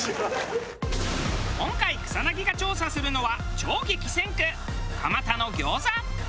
今回草薙が調査するのは超激戦区蒲田の餃子。